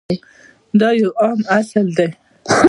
دا یو عام اصل دی.